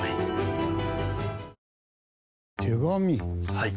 はい。